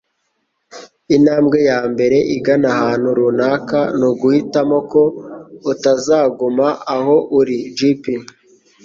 Intambwe yambere igana ahantu runaka ni uguhitamo ko utazaguma aho uri -- JP